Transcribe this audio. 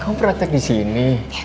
kamu praktek disini